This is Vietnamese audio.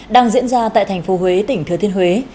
đang diễn ra tại thành phố huế tỉnh thừa thiên huế